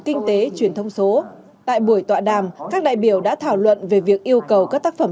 kinh tế truyền thông số tại buổi tọa đàm các đại biểu đã thảo luận về việc yêu cầu các tác phẩm